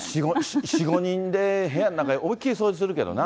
４、５人で部屋の中、思い切り掃除するけどな。